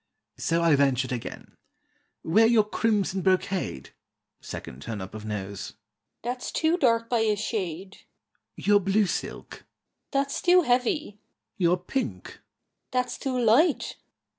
So I ventured again: "Wear your crimson brocade" (Second turn up of nose) "That's too dark by a shade." "Your blue silk" "That's too heavy." "Your pink" "That's too light."